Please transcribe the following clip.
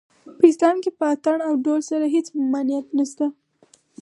په اسلام کې په اټن او ډول هېڅ ممانعت نشته